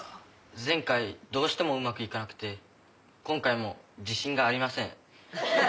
前回どうしてもうまくいかなくて今回も自信がありません。